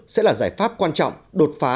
sẽ là giải pháp quan trọng đột phá